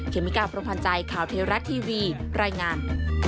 เมกาพรมพันธ์ใจข่าวเทวรัฐทีวีรายงาน